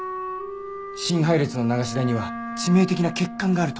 新配列の流し台には致命的な欠陥があると。